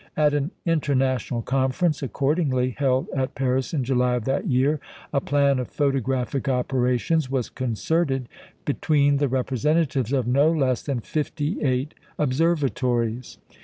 At an International Conference, accordingly, held at Paris in July of that year, a plan of photographic operations was concerted between the representatives of no less than 58 observatories.